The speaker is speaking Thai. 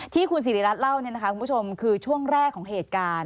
ที่คุณศิริรัตน์เล่าเนี่ยนะคะคุณผู้ชม